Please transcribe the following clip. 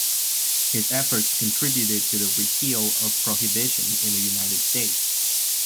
His efforts contributed to the repeal of prohibition in the United States.